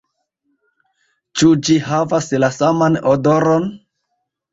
Ĉu ĝi havas la saman odoron?